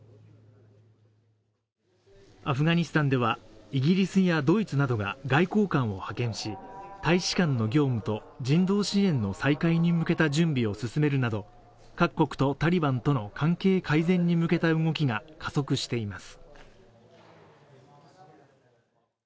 アフガニスタンではイギリスやドイツなどが外交官を派遣し大使館の業務と人道支援の再開に向けた準備を進めるなど各国とタリバンとの関係改善に向けた動きが加速しています